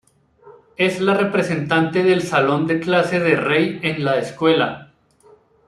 Es la representante del salón de clase de Rei en la escuela.